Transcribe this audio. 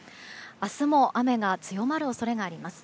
明日も雨が強まる恐れがあります。